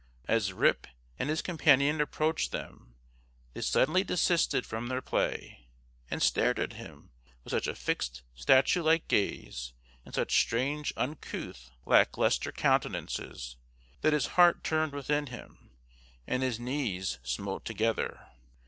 As Rip and his companion approached them, they suddenly desisted from their play, and stared at him with such a fixed statue like gaze, and such strange uncouth, lack lustre countenances, that his heart turned within him, and his knees smote together.